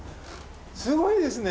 すごいですね！